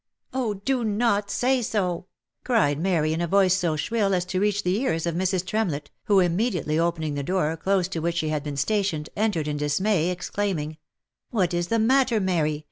— Oh, do not say so !" cried Mary, in a voice so shrill as s 258 THE LIFE AND ADVENTURES to reach the ears of Mrs. Tremlett, who immediately opening the door, close to which she had been stationed, entered in dismay, exclaiming, " What is the matter, Mary